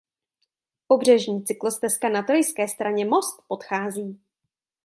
Pobřežní cyklostezka na trojské straně most podchází.